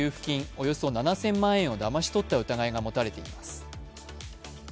およそ７０００万円をだまし取った疑いが持たれています。